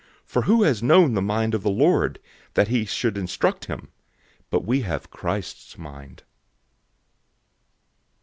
002:016 "For who has known the mind of the Lord, that he should instruct him?"{Isaiah 40:13} But we have Christ's mind.